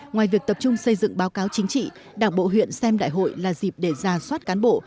ngoài việc tập trung xây dựng báo cáo chính trị đảng bộ huyện xem đại hội là dịp để ra soát cán bộ